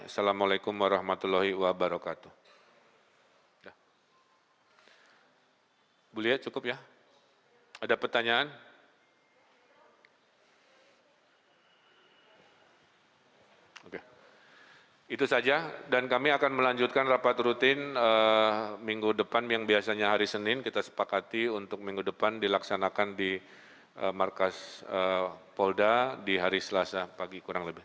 assalamu'alaikum warahmatullahi wabarakatuh